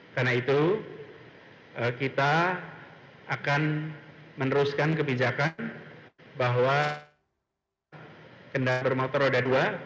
karena itu kita akan meneruskan kebijakan bahwa kendaraan bermotor roda dua